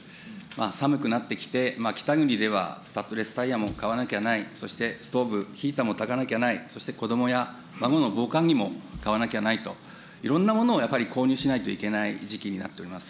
寒くなってきて、北国ではスタッドレスタイヤも買わなきゃない、ストーブ、ヒーターもたかなきゃない、そして子どもや孫の防寒着も買わなきゃないと、いろんなものを、やっぱり購入しないといけない時期になっております。